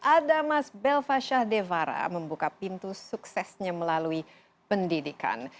ada mas belva shahdevara membuka pintu suksesnya melalui pendidikan